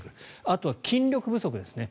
あとは筋力不足ですね。